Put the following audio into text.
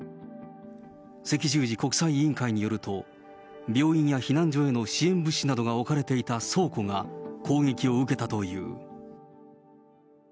赤十字国際委員会によると、病院や避難所への支援物資などが置かれていた倉庫が攻撃を受けたという。